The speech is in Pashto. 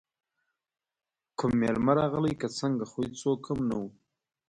کوم میلمه راغلی که څنګه، خو هېڅوک هم نه وو.